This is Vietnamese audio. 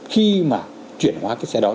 khi mà chuyển hóa cái xe đó